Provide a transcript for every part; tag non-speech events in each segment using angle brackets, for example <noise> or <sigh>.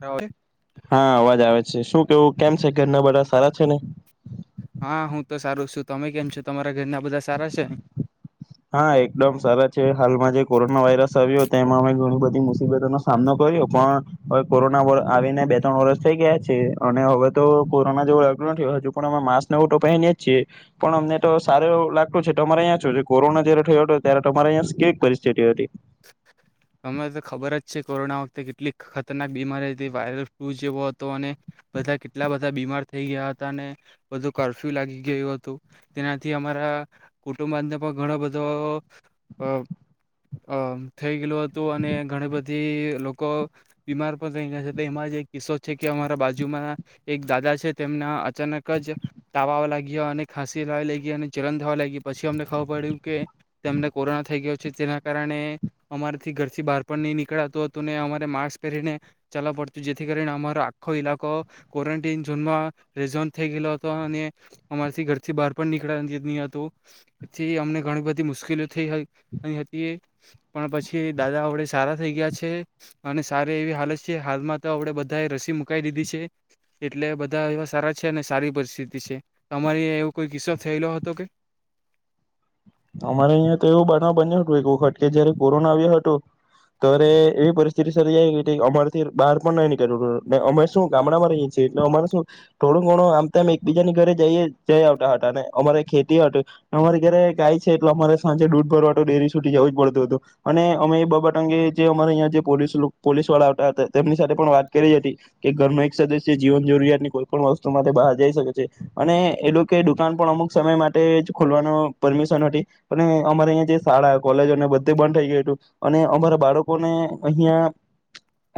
બરાબર. હા અવાજ આવે શું કેવું કેમ છે ઘરના બધા સારા છે ને? હા હું તો સારું છું તમે કેમ છો તમારા ઘરના બધા સારા છે ને? હા એકદમ સરા છે, હાલમાં જે કોરોના વાયરસ આવ્યો તે એમાં અમે ઘણી બધી મુસીબતોનો‌ સામનો કર્યો પણ, હવે કોરોના આવીને બે ત્રણ વરષ થઈ ગયા છે અને હવે તો કોરોના જેવો લગન થયો હજુ, પણ અમે માસ્ક નવટો પહેરીએ છીએ પણ અમને સારુંવું લાગતું છે, તો અમારે અહીં છો કોરોના જયારે થયો હતો ત્યારે તમારે અં કેવી પરિસ્થિતિ હતી? અમને તો ખબર જ છે કોરોના વખતે કેટલી ખતરનાક બીમારી હતી વાયરલ ફ્લુ જેવો હતો અને, બધા કેટલા બધા બીમાર થઈ ગયા હતા અને બધું કરફ્યુ લાગી ગયું હતું, તેનાથી અમારા કુટુંબને પણ ઘણો બધો અ અ થઈ ગયું તો અને ઘણી બધી લોકો બીમાર પણ થઈ ગયા છે, એમાં જ એક કિસ્સો છે કે અમારા બાજુમાં એક દાદા છે તેમના અચાનક જ તાવવા લાગ્યા અને ખાંસી લાવવા લાગી, અને જલન થવા લાગી પછી અમને ખબર પડ્યું કે તેમને કોરોના થઈ ગયો છે, તેના કારણે અમારે થી ઘરથી બાર પણ નઈ નીકળાતું હતું ને અમારે માસ્ક પહેરીને ચાલવું પડતું જેથી કરીને અમારો આખો ઈલાકો ક્વોરન્ટન ઝોનમાં રઝન થઈ ગયેલો હતો અને અમારાથી ઘરથી બહાર પણ નીકળ નહી હતું એથી અમને ઘણી બધી મુશ્કેલી થઈ હતી પણ પછી કે દાદા આપડે સારા થઈ ગયા છે, અને સારી એવી હાલત છે હાલમાં તો આપડે બધાએ રસી મુકાઈ દીધી છે, એટલે બધા એવા સારા છે અને સારી પરિસ્થિતિ છે, તમારી એવો કોઈ કિસ્સો થયેલો હતો કે અમારે અહ્યા તો એવું બનવા બન્યું હતું એક વખત કે જયારે કોરોના આવ્યો હતો, ત્યારે એવી પરિસ્થિતિ સર્ જાય કે અમારે થી બહાર પણ નઈ નીકળ્યું અમે શું ગામડામાં રહીએ છીએ એટલે અમારે શું, થોડું ઘણું આમ તોમ એકબીજાની ઘરે જઈ જઈ આવતા હતા ને અમારે ખેતી હતી, અમારી ઘરે ગાય છે એટલે અમારે સાંજે દૂઢ ભરવા ડેરી સુટી જવું જ પડતું હતું અને અમે બાબત અંગે જે અમારે અં જે પોલીસ પોલીસ વાળા આવતા હતા તેમની સાથે પણ વાત કરી હતી કે ઘર ન એક સદસ્ય જીવન જરૂરિયાતની કોઈ પણ વસ્તુ માટે બહાર જઈ શકે છે અને એલું કે દુકાન પણ અમુક સમય માટે જ ખોલવાનો પરમિશ હતી અમારે અ જે શાળા કોલેજ બધ બંધ થઈ ગયું હતું, અને અમારા બાળકોને અહિયાં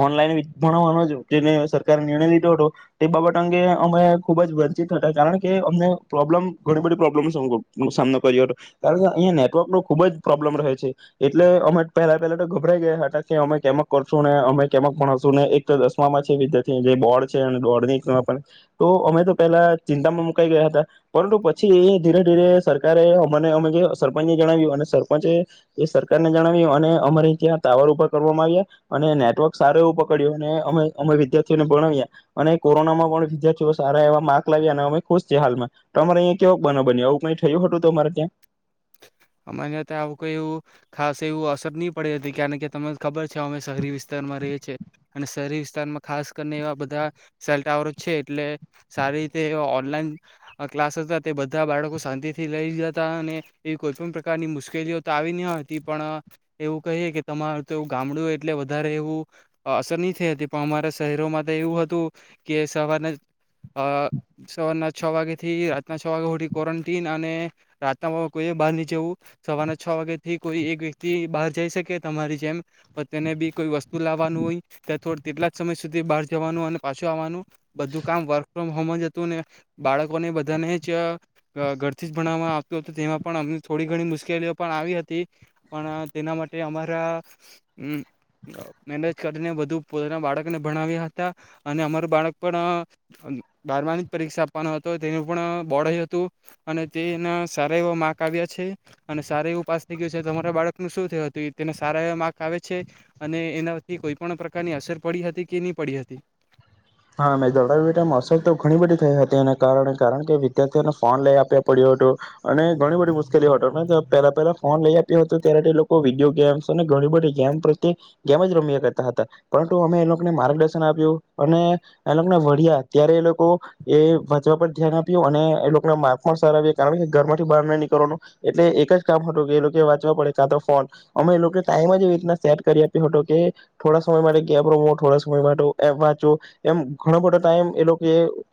ઓનલાઈન ભણાવવાનો સરકારે નિર્ણય લીધો હતો, તે બાબત અંગે અમે ખુબ જ વંચિત હતા, કારણ કે અમને પ્રોબ્લમ ઘણી બધ પ્રોબ્મ સામનો કર્યો હતો કારણ કે અહીંયા નેટવર્કનો ખુબ જ પ્રોબ્લેમ રહે છે, એટલે અમે પહેલા પહેલા તો ગભરાઈ ગયા હતા કે અમે કેમ કરશું ને અમે કેમક ભણાવશું ને એક દસમામાં છે વિદ્યાર્થી જે બોર્ડ છે બોર્ડ ન તો અમે, તો પહેલા ચિંતામાં મુકાઈ ગયા હતા પરંતુ પછી એ ધીરે ધીરે સરકારે મને અમે જે સરપંચને જણાવ્યું અને સરપંચે એ સરકારને જણાવ્યું અને અમારે ત્યાં ટાવર ઉપભા કરવામાં આવ્યા, અને નેટવર્ક સાર એવું પકડ્યું અને અમે અમે વિદ્યાર્થીઓને ભણાવ્યા અને કોરોના માં પણ વિદ્યાર્થીઓ સારા એવા માર્ક લાવ્યા, અને અમે ખુશ છએ હાલમાં તો અમારે અહીંયા કેવો બ બન આવું કઈ થયું હતું. <inaudible> અમારે આવ કોઈ એવું, ખાસ એવું અસર નહી પડી હતી, કારણ કે તમને ખબર છે અમે શહેરી વિસ્તારમાં રહીએ છીએ અને શહેરી વિસ્તારમાં ખાસ કરીને એવા છે, એટલે સારી રીતે એવા ઓનલાઈન ક્લાસ હતા તે બધા બાળકો શાંતિ થી લઈ જ હતા અને એવી કોઈ પણ પ્રકારની મુશ્કેલીઓ તો આવી ન હતી પણ, એવું કહીએ કે તમારું તો એવુ ગામડું એટલે વધારે એવું, અસર નહીં થઈ હતી પણ અમારા શહેરોમાં તો એવું હતું, કે સવારના સવારના છ વાગેથી રાતના છ વાગે ક્વોરન્ટીન, અને રાતના કોઈએ બહાર નહી જવું, સવારના છ વાગ્યાથી કોઈ એક વ્યક્તિ બહાર જઈ શકે તમારી જેમ પણ તેને ભી કોઈ વસ્તુ લાવવાનું હોય, ત્યાં થોડ તેટલા જ સમય સુધી બહાર જવાનું અને પાછું આવવાનું. બધું કામ વર્ક ફોમ હોમ જ હતું ને, બાળકોને બધાને જ ઘરથી જ ભણવામાં આવતું હતું, તેમાં પણ અમ થોડી ઘણી મુશ્કેલીઓ પણ આવી હતી, પણ તેના માટે અમારા મેનેજ કરીને બધું પોતાના બાળકને ભણાવ્યા હતા, અને અમારું બાળક પણ બારમાની જ પરીક્ષા આપવાનો હતો તેનું પણ બોડ હતું, અને તેના સારા એવા માર્ક પણ આવ્યા છે, અને સારા એવું પાસ થઈ ગયું છે તમારા બાળકનું શું થયું હતું તેને સારા એવા માર્ક આવે છે, અને એનાથી કોઈ પણ પ્રકારની અસર પડી હતી કે નહી પડી હતી હા મે દણાવી અસર તો ઘણી બધી થઈ હતી એના કારણે કારણ કે વિદ્યાર્થીઓને ફોન લઈ આપ્યા પડ્યો હતું અને ઘણી બધી મુશ્કેલીઓ હતો પહેલા પહેલા ફોન લઈ આપ્યો હતો ત્યારે એ લોકો વિડીયો ગેમ્સ અને ઘણી બધી ગેમ પ્રત્યે ગેમ જ રમ્યા કરતા હતા પરંતુ અમે એ લોકોને માર્ગદર્શન આપ્યું. અને એલોક ને વડળ્યા ત્યારે એ લોકો એ વાંચવા પર ધ્યાન આપ્યું અને એ લોકોના માર્ક પણ સારા આવ્યા કારણ કે ઘરમાંથી બહાર નય નીકળવાનું એટલે એક જ કામ હતું કે એ લોકો વાંચવા પડે કાં તો ફોન અમે એ લોકો ટાઈમ જ એવી રીત સેટ કરી આપ્યો હતો કે થોડા સમય માટે ગેમ રમો થોડા સમય માટે એ વાંચો. એમ ઘણો બધો ટાઈમ એ લોકો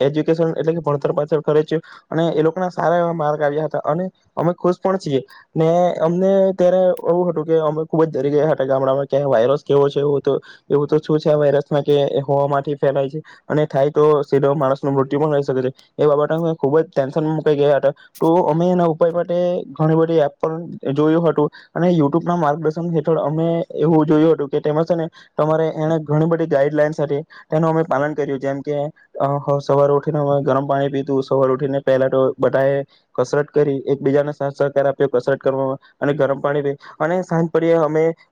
એજ્યુકેશન એટલે કે ભણતર પાછળ ખર્ચયો અને એ લોકોના સારા એવા માર્ક આવ્યા હતા અને અમે ખુશ પણ છીએ ને અમને ત્યારે એવું હતું કે અમે ખુબ જ ડરી ગયા હતા ગામડામાં કે વાયરસ કેવો છે એવ એવું તો શું છે આ વાયરસમાં કે હવા માથી ફેલાય છે. અને થાય તો સીધો માણસ નુ મૃત્યુ પણ રહી શકે છે એ બાબત અ ખુબ જ ટેન્શન મુકાઈ ગયા હતા તો અમે એના ઉપાય માટે ઘણી બધી એપ પણ જોયું હતું અને યુટ્યુબ ના માર્ગદર્શન હેઠળ અમે એવું જોયું હતું કે તેમાં છે ને તમારે એને ઘણી બધી ગાઈડલાઈન હતી. તેનું અમે પાલન કર્યું જેમ કે અ સવાર ઉઠીને અ ગરમ પાણી પીધું સવાર ઉઠીને પહેલા તો બધાએ કસરત કરી એકબીજાને સાહ સહકાર આપ્યો કસરત કરવાવામાં અને ગરમ પાણી પી અને સાંજ પડ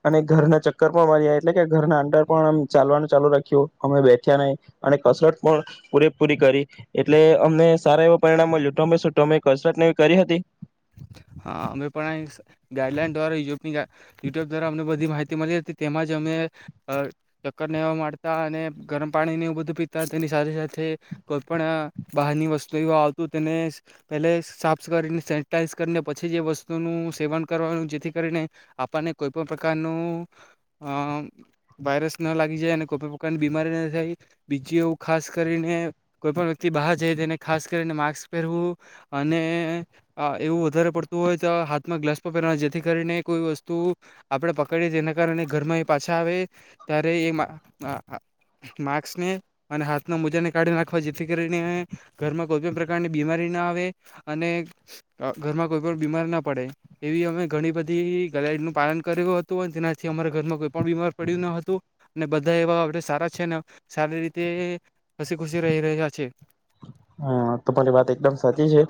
અમે ઘરના ચક્કર પણ <unintelligible> એટલે કે ઘરના અંદર પણ ચાલવાનું ચાલુ રાખ્યું અમે બેઠ્યા નહી અને કસરત પણ પૂરેપૂરી કરી એટલે અમને સારા એવા પરિણામ મળ્યું. તમે સુ કસરત ને એવી કરી હતી? હા અમે પણ આય ગાઈડલાઈન દ્વારા ઉ યુટ્યુબ દ્વારા અમને બધ માહિતી. તિ મળી હતી તેમાં જ અમે ચક્કર ને મારતા અને ગરમ પાણીને બધું પીતા તેની સાથે સાથે કોઈ પણ બહારની વસ્તુ આવતું તેને પહે સાફ કરીને સે સેનેટાઈઝ કરીને પછી જે વસ્તુનું સેવન કરવાનું જેથી કરીને આપણને કોઈ પણ પ્રકારનું અ વાયરસ ન લાગી જાય અને કોઈપ પ્રકારની બીમારી ન થાય બીજું એવું ખાસ કરીને કોઈ પણ વ્યક્તિ બહાર જાય તેને ખાસ કરીને માસ્ક પહેરવું. અને આ એવું વધારે પડતું હોય તા હાથમાં ગ્લવ્સ પહેરવા જેથી કરીને કોઈ વસ્તુ આપણે પકડીએ તેના કારણે ઘરમાં એ પાછા આવે ત્યારે એ માસ્કને અને હાથના મોજાને કાઢી નાખવા જેથી કરીને ઘરમાં કોઈપ પ્રકારની બીમારી ન આવે. અને અ ઘરમાં કોઈ પણ બીમાર ના પડે એવી અમે ઘણી બધી ગાઈડ નું પાલન કર્યું હતું અને જેનાથી અમારા ઘરમાં કોઈ પણ બીમાર પડ્યું ન હતું. અને બધા એવા આપણે સારા છે સારી રીતે હસી ખુસી રહી રહ્યા છે. હા તમારી વાત એકદમ સાચી છે.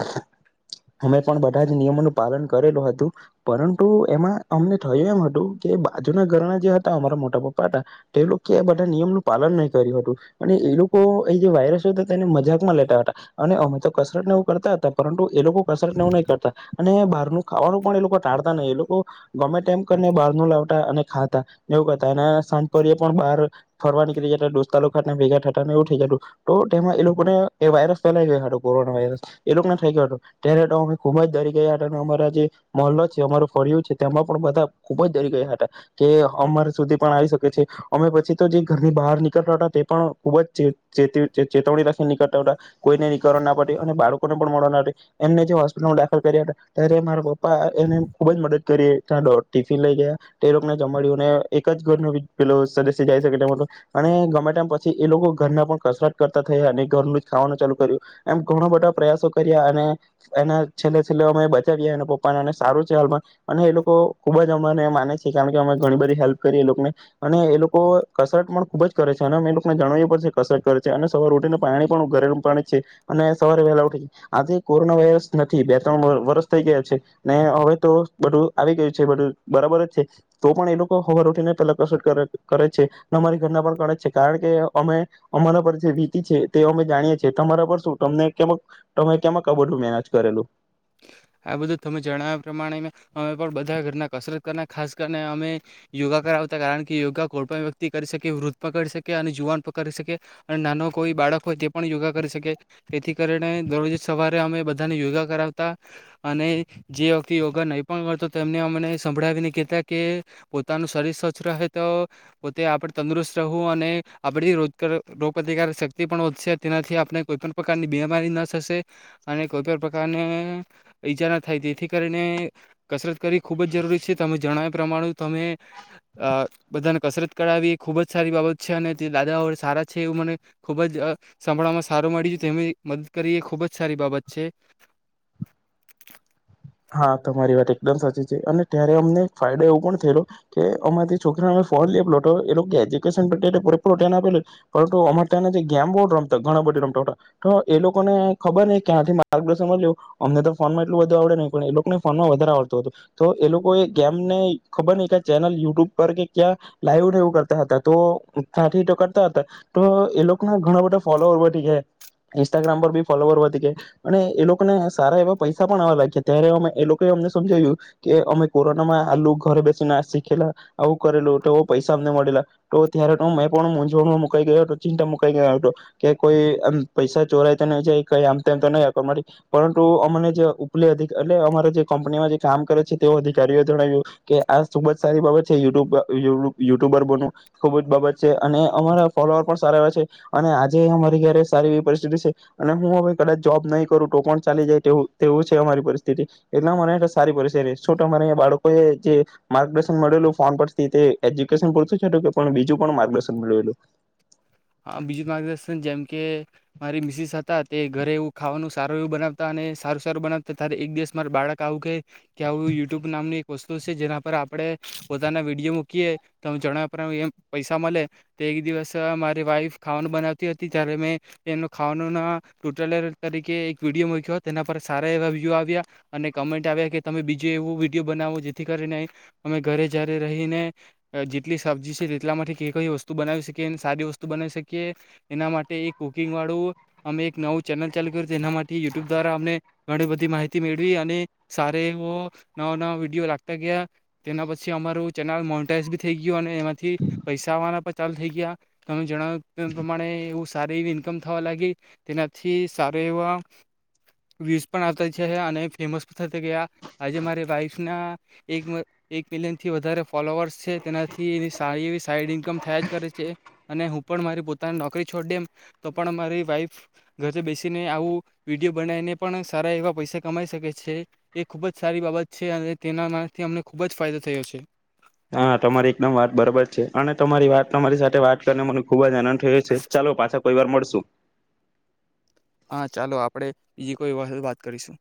અમે પણ બધા જ નિયમોનું પાલન કરેલું હતું પરંતુ એમાં અમને થયું એમ હતું કે બાજુના ઘરના જે હતા અમારા મોટા પપ્પા હતા તે લોકો બધા નિયમનું પાલન નહી કર્યું હતું અને એ લોકો એ જે વાયરસ હતુ તેને મજાકમાં લે તા હતા અને અમે તો કસરત ને એ કરતા હતા પરંતુ એ લોકો કસરત ને એવું નય કરતા. અને બહારનું ખાવાનું પણ એ લોકો ટાળતા નહી એ લોકો ગમે તેમ કરીને બારું લાવતા અને ખાતા એવું કરતા સારી પણ બહાર ફરવા નીકળી જતા દોસ્તા ખા ભેગા થતાને એવું થઈ જતું તો તેમાં એ લોકોને એ વાયરસ ફેલાઈ ગયા હતો કોરોના વાયરસ એ લોકો ના થઈ ગયો હતો ત્યારે તો અમે ખુબ જ ડરી ગયા હતા અને અમારા જે મહલ્લો છે અમાર ફરયું છે તેમાં પણ બધા ખુબ જ ડરી ગયા હતા કે અમારા સુધી પણ આવી શકે છે અમે પછી તો જે ઘરની બહાર નીકળતા હતા તે પણ ખુબ જ ચે ચેતવણી રાખી નીકળતા હતા. કોઈને નીકણ ના પડ અને બાળકોને પણ મળવા ના પ એમને જે હોસ્પિટલમાં દાખલ કર્યા હતા ત્યારે મારા પપ્પા એને ખુબ જ મદદ કરી ત્યાં દોડ ટિફિન લઈ ગયા એ લોકોને જમાડ્યું અને એક જ ઘર ન પે સદસ્ય જઈ શકે તેમ અને ગમે ટમ પછી એ લોકો ઘરના પણ કસરત કરતા થયા અને ઘરનું ખાવાનું ચાલુ કર્યું એમ ઘણો બધા પ્રયાસો કર્યા અને એના છેલ્લે છેલ્લે અમે બચાવ્યા એના પપ્પાને અને સારું છે હાલમાં અને એ લોકો ખુબ જ અમાને માને છે કારણ કે અમે ઘણી બધી હેલ્પ કરી એ લોકોને અને એ લોકો કસરત પણ ખુબ જ કરે છે. અને અ એ લોકોને જણાવવી પડશે કસરત કરે છે અને સવારે રોટીને પાણી પણ ઘરેલૂ પાણી છે અને સવારે વહેલા ઉઠી આથી કોરોના વાયરસ નથી બે ત્રણ વરષ થઈ ગયા છે ને હવે તો બધું આવી ગયું છે બું બરાબર જ છે તો પણ એ લોકો હવાર ઉઠીને પેલા કસર કરે કરે છે ને અમારી ઘરના પણ કરે છે કારણ કે અમે અમારા પર જે વીતી છે તે અમે જાણીએ છીએ. તમારા પર શું તમને કે તમે કેમાં ક બધું મેનજ કરેલું? આ બધું તમે જણાવ્યા પ્રમાણે અમે પણ બધા ઘરના કસરત કરના ખાસ કરીને અમે યોગા કરાવતા કારણ કે યોગા કોઈ પણ વ્યક્તિ કરી શકે વૃદ્ધ પણ કરી શકે અને જુવાન પણ કરી શકે અને નાનો કોઈ બાળક હોય તે પણ યોગા કરી શકે. તેથી કરીને દરરોજ સવારે અમે બધાને યોગા કરાવતા. અને જે વ્યક્તિ યોગા નહીં પણ કરતો તેમને અમને સંભળાવીને કહેતા કે પોતાનું શરીર સ્વચ્છ રહે તો પોતે આપણે તંદુરસ્ત રહેવું અને આપણી રોજ રોગપ્રતિકારક શક્તિ પણ વધશે તેનાથી આપણે કોઈપણ પ્રકારની બીમારી ન થશે. અને કોઈપણ પ્રકારને ઈજારા થાય. તેથી કરીને કસરત કરવી ખૂબ જ જરૂરી છે તમે જણાવ્યા પ્રમાણે તમે બધાને કસરત કરાવી એ ખુબ જ સારી બાબત છે. અને તે દાદાઓ સારા છે એવું મને ખુબ જ સાભળમાં સારું મળી તેની મદદ કરી એ ખૂબ જ સારી બાબત છે. <inaudible> હા તમારી વાત એકદમ સાચી છે. અને ત્યારે અમને ફાયદો એવું પણ થયેલો કે અમારી છોકરીને અમે ફોન લેેલો હતો એ લોકો એજ્યુકેનન આપે પરંતુ અમારે ત્યાં જે ગેમ બોર્ડ રમતા ઘણા બધા રમતા તો એ લોકોને ખબર ન કે આથી માર્ગદર્શન મળ્યું અમને તો ફોનમાં એટલું બધું આવડે નહીં. પણ એ લોકોએ ફોનમાં વધારે આવડતું હતું તો એ લોકોએ કેમ ને ખબર નહિ કે ચેનલ યુટ્યુબ પર કે ક્યા લાઈવ રહેવું કરતા હતા તો અ ત્યાંથી તો કતા હતા તો એ લોકોના ઘણા બધા ફોલોવર વધી ગયા ઈન્સ્ટાગ્રામ પર પણ ફોલોવર વધી ગયા અને એ લોકોને સારા એવા પૈસા પણ આવા લાગ્યા. ત્યારે અમે એ લોકો અમને સમજાવ્યું કે અમે કોરોનામાં આલુ ઘરે બેસી નાશ શીખેલા આવું કરેલું તો એ પૈસા અમને મળેલા તો ત્યારે તો મેં પણ મૂંઝવણમાં મુકાઈ ગયો હતો ચિંતા મુકાઈ ગયો હતો કે કોઈ પૈસા ચોરાય તો ન જાય કઈ આમ તોમ તો નહીં આપ માટે પરંતુ અમને જે ઉપલે અતિ એટલે અમારે જે કંપનીમાં જે કામ કરે છે તેઓ અધિકારીઓ જણાવ્યું કે આ ખુબ જ સારી બાબત છે યુટ્યુબ યુટ્યુબર બનવું ખુબ જ બાબત છે અને અમારા ફોલોઅર પણ સારા એ છે અને આજે અમારી ક્યારે સારી એવી પરિસ્થિતિ છે અને હું હવે કદાચ જોબ નહી કરું તો પણ ચાલી જાય તેવું છે અમારી પરિસ્થિ તીતી એના મળે ત સારી પરિસ્તિ તમારાં આયા બાળકો જે માર્ગદર્શનલું ફોન પરથી એજ્યુકેશન પૂરતું બીજું પણ માર્ગદર્શન મળેલું. હ બીજું માર્ગદર્શન જેમ કે મારી મિસીસ હતા તે ઘરે એવું ખાવાનું સારું એવું બનાવતા અને સારું સારું બનાવતા ત્યારે એક દિવસ માર બાળક આવું ક કે આવ યુટ્યુબ નામની એક વસ્તુ છે જેના પર આપણે પોતાના વિડીયો મૂકીએ તો જણાવ એમ પૈસા મળે તો એક દિવસ મા વાઈફ ખાવાનું બનાવતી હતી ત્યારે મેં એનો ખાવાનો ના ટોટલ તરીકે એક વિડીયો મક્યો તેના પર સારા એવા વ્યૂ આવ્યા અને કમેન્ટ આવ્યા કે તમે બીજું એવું વિડીયો બનાવો જેથી કરીને અમે ઘરે જયારે રહીને જેટલી સબ્જી છે તેટલા માટે કઈ કઈ વસ્તુ બનાવી શકીએ સારી વસ્તુ બના શકીએ એના માટે એક કુકિંગ વાળું અમે એક નવું ચેનલ ચાલુ કર્યું એના માટે યુટ્યુબ દ્વારા અને ઘણી બધી માહિતી મેળવી અને સાર એવો નવા નવા વિડીયો લાગતા ગયા તેના પછી અમારું ચેનલ મોન્ટઇઝી થઈ ગયું અને એમાંથી પૈસા વા પણ ચાલુ થઈ ગયા. તમે જણાવ <unintelligible> પ્રમાણે એવું સારી એવી ઇન્કમ થવા લાગી તેનાથી સારો એવા વ્યૂઝ પણ આવતા છે અને ફેમસ પણ થતા ગયા આજે મારે વાઈફના એક એક મિલિયન થી વધારે ફોલો કરર્સ છે. તેનાથી એની સારી એવી સાઈડ ઈન્કમ થયા જ કરે છે. અને હું પણ મારી પોતાને નોકરી છોડી દેમ તો પણ અમારી વાઈફ ઘરે બેસીને આવું વિડીયો બનાવીને પણ સારા એવા પૈસા કમાઈ શકે છે એ ખૂબ જ સારી બાબત છે અને તેનામાંથી અમને ખૂબ જ ફાયદો થયો છે. હા તમારી એકદમ વાત બરાબર છે અને તમારી વાત તમારી સાથે વાત કરીને મને ખુબ જ આનંદ થયો છે. ચાલો પાછા કોઈ વાર મળશુ. હા ચાલો આપણેે બીજી કોઈ વખત વાત કરીશું.